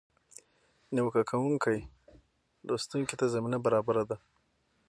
نیوکه کوونکي لوستونکي ته زمینه برابره ده.